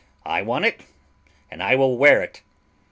I won it, and I will wear it.